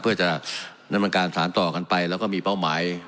เพื่อจะดำเนินการสารต่อกันไปแล้วก็มีเป้าหมาย